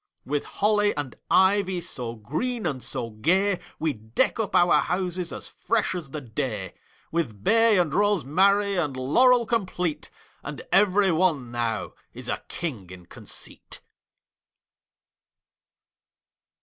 With holly and ivy So green and so gay, We deck up our houses As fresh as the day; With bay and rosemary And laurel complete; And every one now Is a king in conceit.